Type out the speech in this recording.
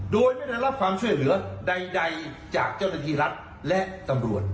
โดยไม่ได้รับความช่วยเหลือใดจากเจ้าหน้าที่รัฐและตำรวจ